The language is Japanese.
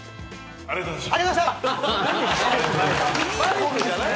ありがとうございます。